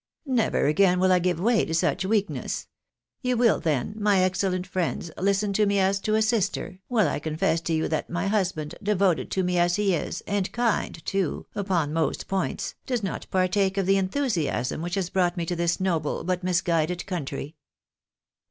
" Never again will I give way to such weakness ! You will, then, my excellent friends, listen to me as to a sister, while I confess to you that my husband, devoted to me as he is, and kind, too, upon most points, does not partake of the enthusiasm which has brought me to this noble, but misguided country."